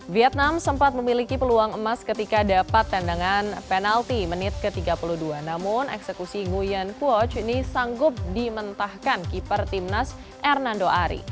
vietnam sempat memiliki peluang emas ketika dapat tendangan penalti menit ke tiga puluh dua namun eksekusi nguyen quoch ini sanggup dimentahkan keeper timnas hernando ari